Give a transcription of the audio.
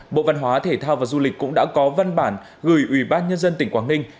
bộ văn hóa thể thao và du lịch cũng đã có văn bản gửi ủy ban nhân dân tỉnh quảng ninh